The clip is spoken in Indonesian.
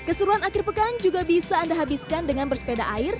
keseruan akhir pekan juga bisa anda habiskan dengan bersepeda air